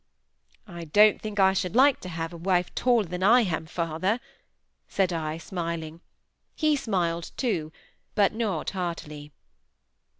"I don't think I should like to have a wife taller than I am, father," said I, smiling; he smiled too, but not heartily.